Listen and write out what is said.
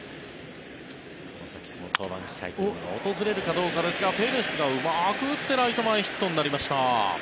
この先その登板機会というのが訪れるかどうかですがペレスがうまく打ってライト前ヒットになりました。